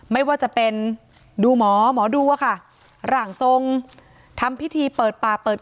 ไม่ว่าจะเป็นดูหมอหมอดูอะค่ะร่างทรงทำพิธีเปิดป่าเปิด